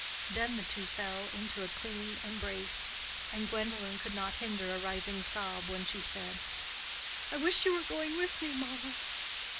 Then the two fell into a clinging embrace, and Gwendolen could not hinder a rising sob when she said, "I wish you were going with me, mamma."